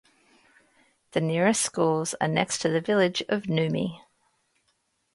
The nearest schools are next to the village of Nummi.